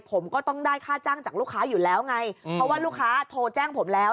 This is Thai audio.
ผมก็ต้องได้ค่าจ้างจากลูกค้าอยู่แล้วไงเพราะว่าลูกค้าโทรแจ้งผมแล้ว